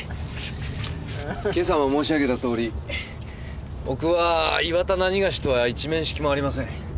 今朝も申し上げたとおり僕は岩田某とは一面識もありません。